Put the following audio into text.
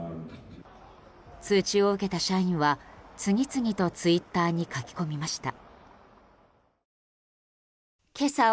通知を受けた社員は次々とツイッターに書き込みました。